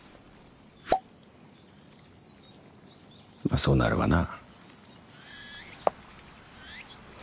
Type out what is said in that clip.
まあそうなるわな。